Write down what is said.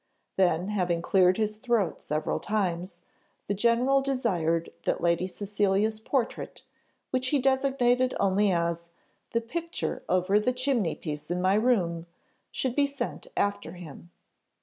Then, having cleared his throat several times, the general desired that Lady Cecilia's portrait, which he designated only as "the picture over the chimney piece in my room," should be sent after him.